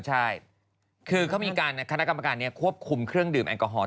ใช่คือเขามีการคณะกรรมการนี้ควบคุมเครื่องดื่มแอลกอฮอล